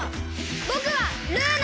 ぼくはルーナ！